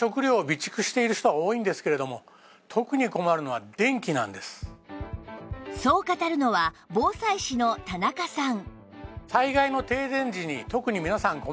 そしてそんなそう語るのは防災士の田中さん